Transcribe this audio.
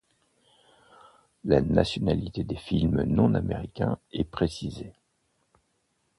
La nationalité des films non-américains est précisée.